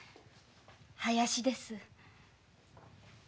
林です。